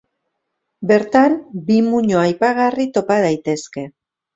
Bertan bi muino aipagarri topa daitezke.